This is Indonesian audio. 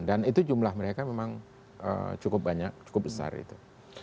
dan itu jumlah mereka memang cukup banyak cukup besar itu